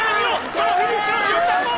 そのフィニッシュの瞬間を！